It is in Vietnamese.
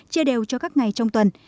chia đều cho các ngày trong tuần